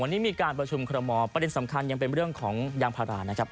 วันนี้มีการประชุมคอรมอลประเด็นสำคัญยังเป็นเรื่องของยางพารานะครับ